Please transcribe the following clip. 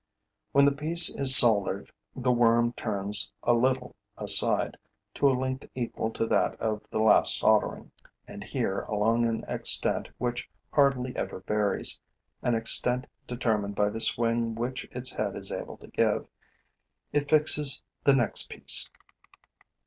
When the piece is soldered, the worm turns a little aside, to a length equal to that of the last soldering, and here, along an extent which hardly ever varies, an extent determined by the swing which its head is able to give, it fixes the next piece.